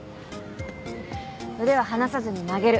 腕は離さずに曲げる。